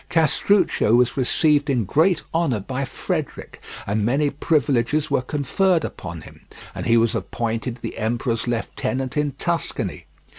Castruccio was received in great honour by Frederick, and many privileges were conferred upon him, and he was appointed the emperor's lieutenant in Tuscany.